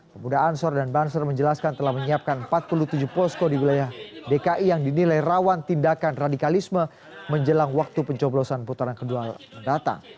pemuda ansor dan banser menjelaskan telah menyiapkan empat puluh tujuh posko di wilayah dki yang dinilai rawan tindakan radikalisme menjelang waktu pencoblosan putaran kedua mendatang